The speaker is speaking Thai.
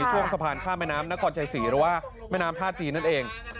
ช่วงสะพานข้ามแม่น้ำนครชัยศรีหรือว่าแม่น้ำท่าจีนนั่นเอง